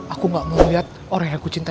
aku gak mau lihat orang yang aku cintai